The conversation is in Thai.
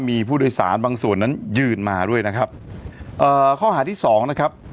มีผู้โดยสารบางส่วนนั้นยืนมาด้วยนะครับเอ่อข้อหาที่สองนะครับ